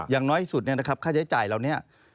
อย่างน้อยสุดเนี่ยนะครับค่าใช้จ่ายเหล่านี้